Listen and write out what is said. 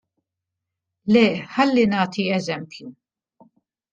Le, ħalli nagħti eżempju.